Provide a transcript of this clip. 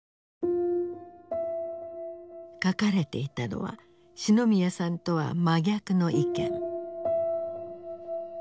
書かれていたのは四ノ宮さんとは真逆の意見。